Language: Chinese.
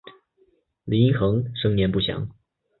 李殷衡生年不详。